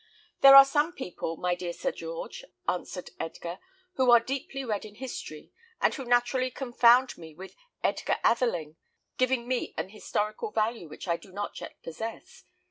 "There are some people, my dear Sir George," answered Edgar, "who are deeply read in history, and who naturally confound me with Edgar Atheling, giving me an historical value which I do not yet possess.